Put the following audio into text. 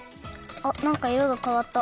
あっなんかいろがかわった。